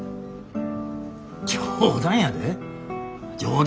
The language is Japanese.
冗談やで冗談。